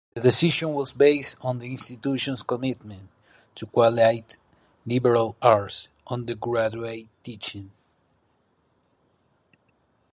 This decision was based on the institution's commitment to quality liberal arts undergraduate teaching.